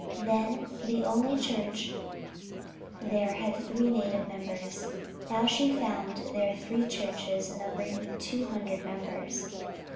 Then, the only church there had three native members; now she found there three churches numbering two hundred members!